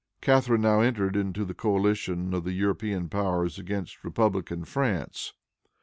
Catharine now entered into the coalition of the European powers against republican France.